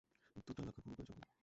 দুটো রাখার কোনো প্রয়োজন নেই।